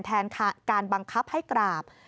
แทนการบังคับให้กราบ